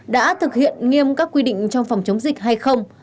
đã thực hiện nghiêm các quy định trong phòng chống dịch hay không